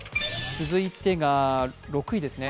続いて６位ですね。